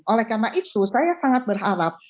oleh karena itu saya sangat berharap